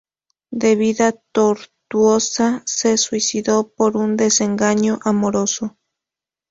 De vida tortuosa, se suicidó por un desengaño amoroso.